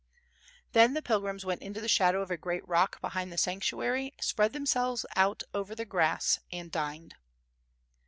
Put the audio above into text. Then the pilgrims went into the shadow of a great rock behind the sanctuary, spread themselves out over the grass and dined.